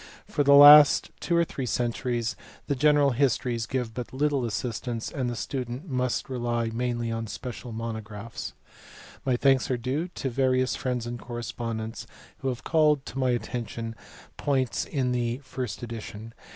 For the last viii PREFACE. two or three centuries the general histories give but little assistance, and the student must rely mainly on special monographs. My thanks are due to; various friends and corre spondents who have eaUteS my atterition to points in the first edition.